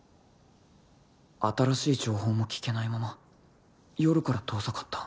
新しい情報も聞けないまま夜から遠ざかった